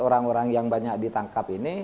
orang orang yang banyak ditangkap ini